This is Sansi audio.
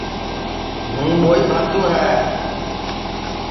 ہوں ٻوہی بھاتو ہے